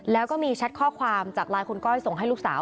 แล้วก็มีแชทข้อความจากไลน์คุณก้อยส่งให้ลูกสาว